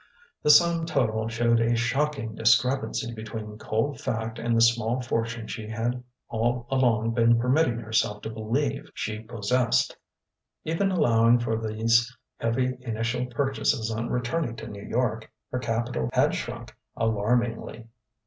The sum total showed a shocking discrepancy between cold fact and the small fortune she had all along been permitting herself to believe she possessed. Even allowing for these heavy initial purchases on returning to New York, her capital had shrunk alarmingly.